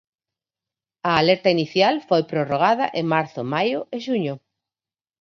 A alerta inicial foi prorrogada en marzo, maio e xuño.